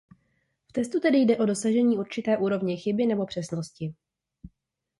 V testu tedy jde o dosažení určité úrovně chyby nebo přesnosti.